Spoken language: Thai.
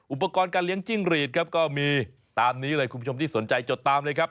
อุปกรณ์การเลี้ยงจิ้งหรีดครับก็มีตามนี้เลยคุณผู้ชมที่สนใจจดตามเลยครับ